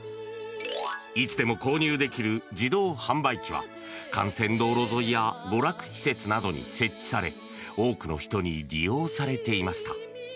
いつでも購入できる自動販売機は幹線道路沿いや娯楽施設などに設置され多くの人に利用されていました。